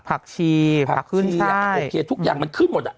ผักชีผักขึ้นชีอ่ะโอเคทุกอย่างมันขึ้นหมดอ่ะ